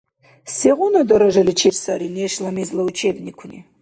Сегъуна даражаличир сари нешла мезла учебникуни?